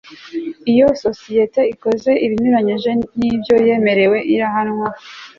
iyo sosiyete ikoze ibinyuranyije n'ibyo yemerewe irahanwa